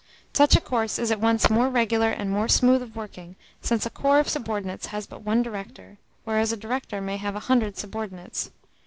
Such a course is at once more regular and more smooth of working, since a corps of subordinates has but one director, whereas a director may have a hundred subordinates.